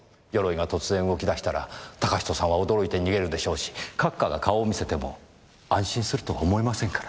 鎧が突然動き出したら嵩人さんは驚いて逃げるでしょうし閣下が顔を見せても安心するとは思えませんからね。